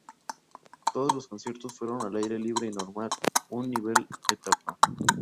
Todos los conciertos fueron al aire libre y normal, un nivel etapa.